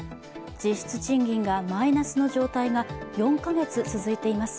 実質賃金がマイナスの状態が４カ月続いています。